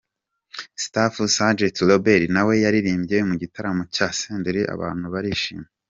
Staff Sergent Robert nawe yaririmbye mu gitaramo cya Senderi abantu barishima.